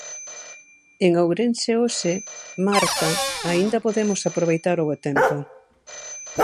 En Ourense hoxe, Marta, aínda podemos aproveitar o bo tempo...